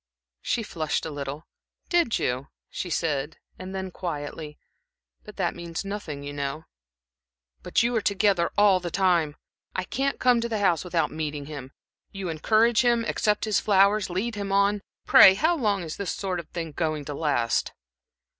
She flushed a little. "Did you?" she said, and then, quietly: "But that means nothing, you know." "But you are together all the time. I can't come to the house without meeting him. You encourage him, accept his flowers, lead him on. Pray, how long is this sort of thing going to last?"